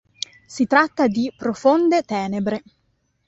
Si tratta di "Profonde tenebre.